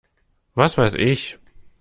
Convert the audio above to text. Was weiß ich!